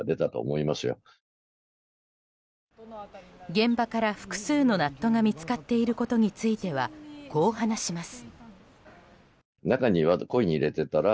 現場から複数のナットが見つかっていることについてはこう話します。